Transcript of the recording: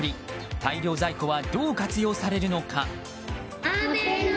大量在庫はどう活用されるのか。